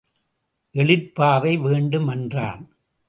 எழிற்பாவை வேண்டும் என்றான்.